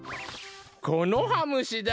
コノハムシだ！